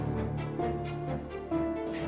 ada hubungannya sama bos jos